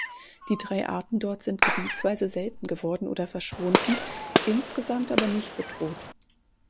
Die drei Arten dort sind gebietsweise selten geworden oder verschwunden, insgesamt aber nicht bedroht.